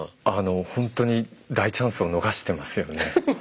ほんとに大チャンスを逃してますよね。